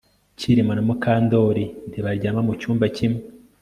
Kirima na Mukandoli ntibaryama mucyumba kimwe